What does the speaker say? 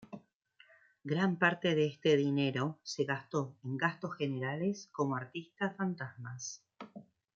Gran parte de este dinero se gastó en gastos generales como artistas fantasmas.